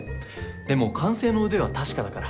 でも管制の腕は確かだから。